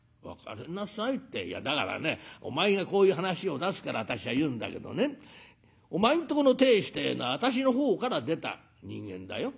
「いやだからねお前がこういう話を出すから私は言うんだけどねお前んとこの亭主ってえのは私の方から出た人間だよ。